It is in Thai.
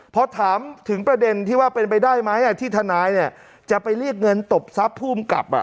เพราะถามถึงประเด็นที่ว่าเป็นไปได้ไหมที่ธนายจะไปเรียกเงินตบซับภูมิกลับ